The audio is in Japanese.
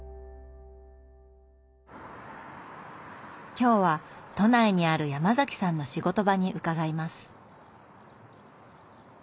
今日は都内にあるヤマザキさんの仕事場に伺います。